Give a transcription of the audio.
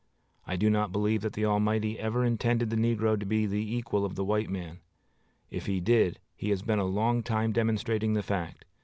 I do not believe that the Almighty ever intended the negro to be the equal of the white man. If he did, he has been a long time demonstrating the fact.